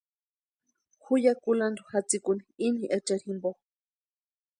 Ju ya kulantu jatsikuni íni echeri jimpo.